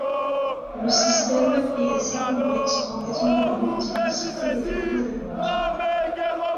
Le système est assez complexe, en raison de la multiplicité des formats de vente.